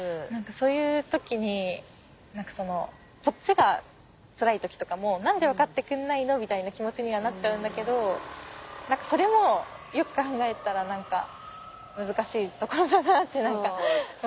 そういう時にこっちがつらい時とかも「何で分かってくんないの？」みたいな気持ちにはなっちゃうんだけどそれもよく考えたら難しいところだなって何か。